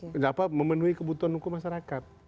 kenapa memenuhi kebutuhan hukum masyarakat